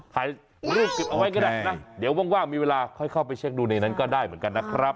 ถ่ายรูปเก็บเอาไว้ก็ได้นะเดี๋ยวว่างมีเวลาค่อยเข้าไปเช็คดูในนั้นก็ได้เหมือนกันนะครับ